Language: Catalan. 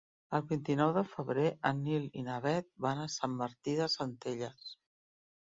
El vint-i-nou de febrer en Nil i na Bet van a Sant Martí de Centelles.